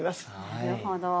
なるほど。